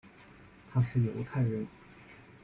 他是犹太人。